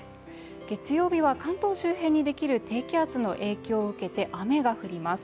月曜日は関東周辺にできる低気圧の影響を受けて雨が降ります。